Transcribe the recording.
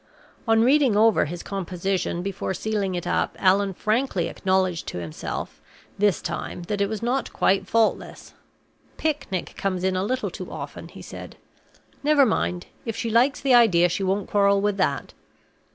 On reading over his composition before sealing it up, Allan frankly acknowledged to himself, this time, that it was not quite faultless. "'Picnic' comes in a little too often," he said. "Never mind; if she likes the idea, she won't quarrel with that."